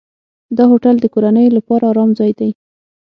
دا هوټل د کورنیو لپاره آرام ځای دی.